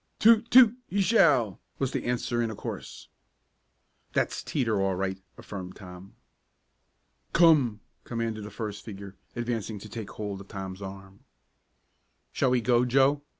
"Toot! Toot! He shall!" was the answer in a chorus. "That's Teeter all right," affirmed Tom. "Come!" commanded the first figure, advancing to take hold of Tom's arm. "Shall we go, Joe?"